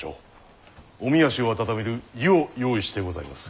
おみ足を温める湯を用意してございます。